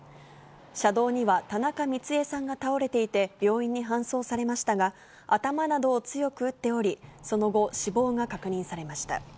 車道には、田中ミツエさんが倒れていて、病院に搬送されましたが、頭などを強く打っており、その後、死亡が確認されました。